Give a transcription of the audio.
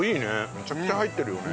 めちゃくちゃ入ってるよね。